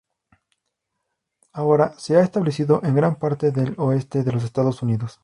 Ahora se ha establecido en gran parte del oeste de los Estados Unidos.